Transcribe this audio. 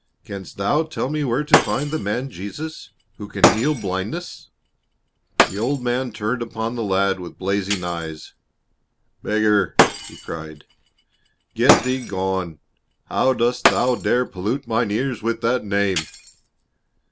"Canst thou tell me where to find the man Jesus, who can heal blindness?" The old man turned upon the lad with blazing eyes. "Beggar!" he cried, "get thee gone! How dost thou dare pollute mine ears with that name?"